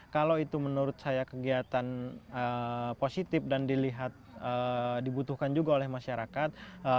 kalau itu menurut saya kegiatan positif dan dilihat dibutuhkan juga oleh masyarakat